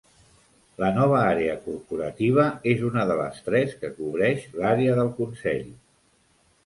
La nova àrea corporativa és una de les tres que cobreix l'àrea del consell.